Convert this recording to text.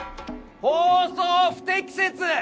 放送不適切！